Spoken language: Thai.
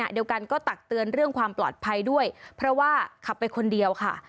เดียวกันก็ตักเตือนเรื่องความปลอดภัยด้วยเพราะว่าขับไปคนเดียวค่ะ